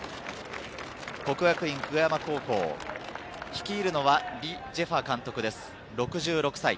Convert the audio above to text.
國學院久我山高校、率いるのはリ・ジェファ監督です、６６歳。